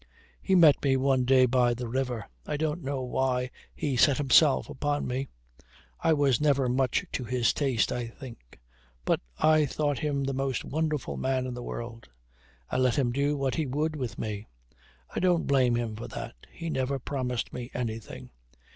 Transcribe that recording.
He met me one day by the river. I don't know why he set himself upon me. I was never much to his taste, I think. But I thought him the most wonderful man in the world. I let him do what he would with me. I don't blame him for that. He never promised me anything.